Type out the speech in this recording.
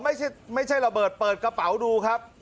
ไม่ใช่ระเบิดเปิดกระเป๋าดูครับ